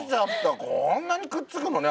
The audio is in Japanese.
こんなにくっつくのね